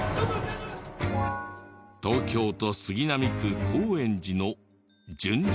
東京都杉並区高円寺の純情商店街。